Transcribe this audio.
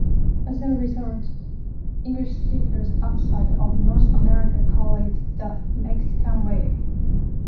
As a result, English speakers outside of North America call it the Mexican wave.